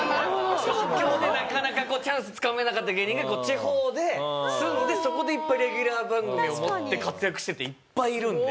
東京でなかなかこうチャンスつかめなかった芸人が地方で住んでそこでいっぱいレギュラー番組を持って活躍してるっていっぱいいるんで。